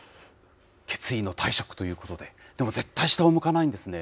決意の退職ということで、でも、絶対、下を向かないんですね。